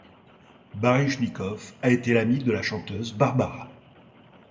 Barychnikov a été l'ami de la chanteuse Barbara.